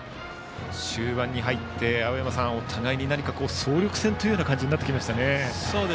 終盤に入って、青山さんお互いに総力戦という感じになってきましたね。